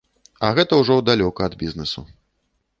А гэта ўжо далёка ад бізнэсу.